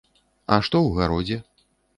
А што ў гародзе?